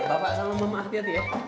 bapak salam sama mama hati hati ya